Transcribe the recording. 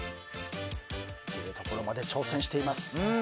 いけるところまで挑戦しています。